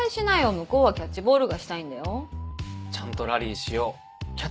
向こうはキャッチボールがしたいんだよ。